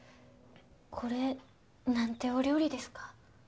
これ何てお料理ですか？